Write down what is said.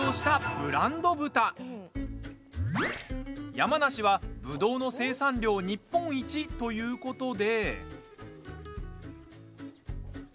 山梨は、ぶどうの生産量日本一ということで。